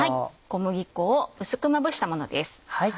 小麦粉を薄くまぶしたものです。